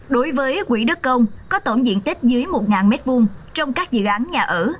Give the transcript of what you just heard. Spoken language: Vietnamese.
đối với quỹ đất công có tổng diện tích dưới một m hai trong các dự án nhà ở